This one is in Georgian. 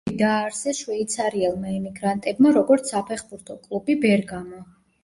კლუბი დააარსეს შვეიცარიელმა ემიგრანტებმა, როგორც საფეხბურთო კლუბი „ბერგამო“.